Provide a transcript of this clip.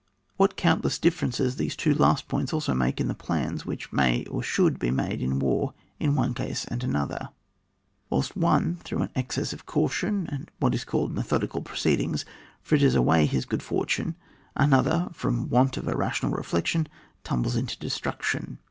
What countless differences these two last points alone make in the plans which may and should be made in war in one case and another ? Whilst one, through an excess of caution, and what is called methodical proceedings, fritters away his good fortune, another, from a want of rational reflection, tumbles into destruction.